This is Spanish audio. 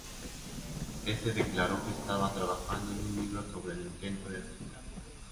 Éste declaró que estaba trabajando en un libro sobre el intento de asesinato.